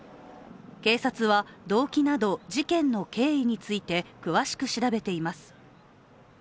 警察は動機など、事件の経緯について詳しく調べています。